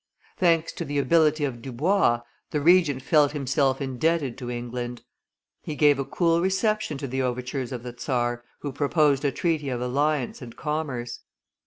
Thanks to the ability of Dubois, the Regent felt himself infeoffed to England; he gave a cool reception to the overtures of the czar, who proposed a treaty of alliance and commerce.